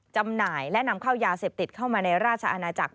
จำหน่ายและนำเข้ายาเสพติดเข้ามาในราชอาณาจักร